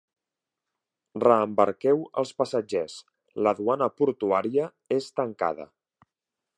Reembarqueu els passatgers: la duana portuària és tancada.